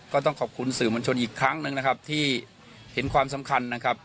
ก็ต้องขอบคุณสื่อมวลชนอีกครั้งหนึ่งนะครับที่เห็นความสำคัญนะครับ